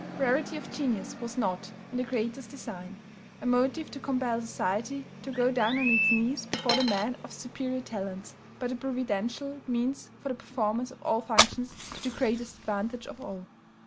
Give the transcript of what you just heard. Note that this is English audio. Rarity of genius was not, in the Creator's design, a motive to compel society to go down on its knees before the man of superior talents, but a providential means for the performance of all functions to the greatest advantage of all.